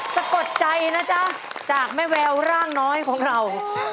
สะกดใจนะจ๊ะจากแม่แววร่างน้อยของเรา